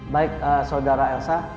baik saudara elsa